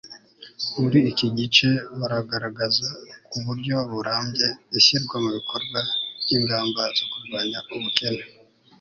muri iki gice baragaragaza ku buryo burambuye, ishyirwa mu bikorwa ry'ingamba zo kurwanya ubukene